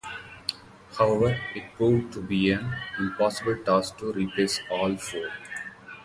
However, it proved to be an impossible task to replace all four.